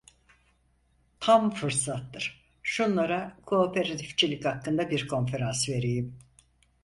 Tam fırsattır, şunlara kooperatifçilik hakkında bir konferans vereyim!